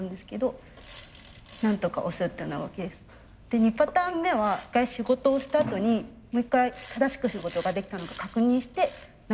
で２パターン目は一回仕事をしたあとにもう一回正しく仕事ができたの確認して中に戻っていく。